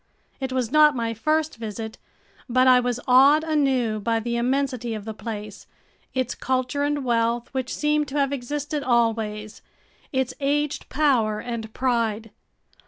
It was not my first visit, but I was awed anew by the immensity of the place, its culture and wealth which seemed to have existed always, its aged power and pride.